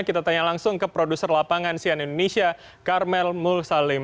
kita tanya langsung ke produser lapangan sian indonesia karmel mulsalim